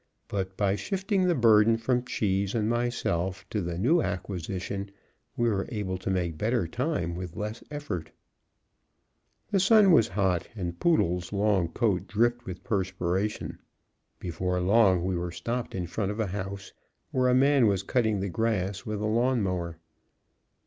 But by shifting the burden from Cheese and myself to the new acquisition we were able to make better time with less effort. The sun was hot, and Poodle's long coat dripped with perspiration. Before long, we were stopped in front of a house, where a man was cutting the grass with a lawn mower.